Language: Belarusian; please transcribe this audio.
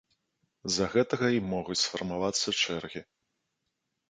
З-за гэтага і могуць сфармавацца чэргі.